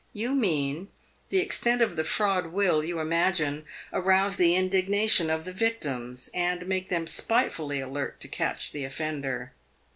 You mean : the extent of the fraud will, you imagine, arouse the indignation of the victims, and make them spitefully alert to catch the offender.